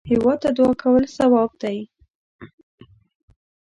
هېواد ته دعا کول ثواب دی